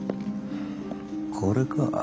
これか。